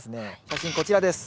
写真こちらです。